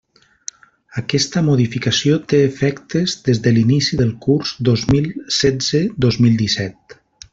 Aquesta modificació té efectes des de l'inici del curs dos mil setze-dos mil disset.